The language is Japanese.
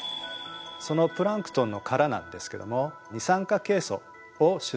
そのプランクトンの殻なんですけども二酸化ケイ素を主成分としています。